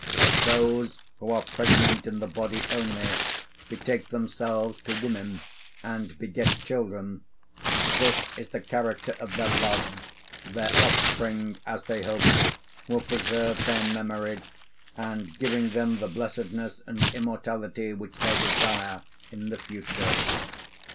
'Those who are pregnant in the body only, betake themselves to women and beget children this is the character of their love; their offspring, as they hope, will preserve their memory and giving them the blessedness and immortality which they desire in the future.